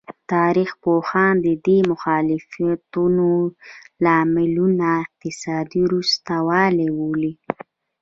تاریخ پوهان د دې مخالفتونو لاملونه اقتصادي وروسته والی بولي.